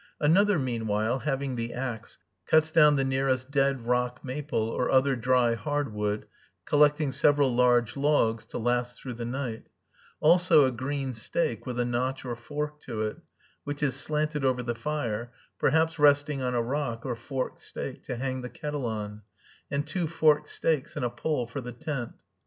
Another, meanwhile, having the axe, cuts down the nearest dead rock maple or other dry hard wood, collecting several large logs to last through the night, also a green stake, with a notch or fork to it, which is slanted over the fire, perhaps resting on a rock or forked stake, to hang the kettle on, and two forked stakes and a pole for the tent.